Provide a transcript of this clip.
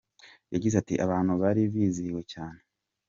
Yagize ati “Abantu bari bizihiwe cyane.